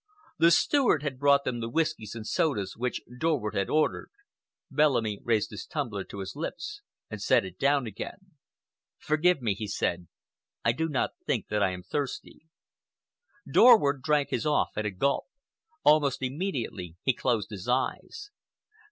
The steward had brought them the whiskies and sodas which Dorward had ordered. Bellamy raised his tumbler to his lips and set it down again. "Forgive me," he said, "I do not think that I am thirsty." Dorward drank his off at a gulp. Almost immediately he closed his eyes.